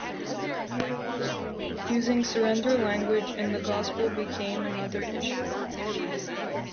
Using surrender language in the gospel became another issue.